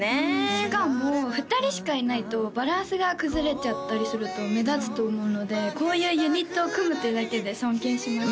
しかも２人しかいないとバランスが崩れちゃったりすると目立つと思うのでこういうユニットを組むっていうだけで尊敬します